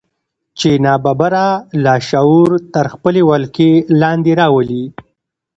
چې ناببره لاشعور تر خپلې ولکې لاندې راولي.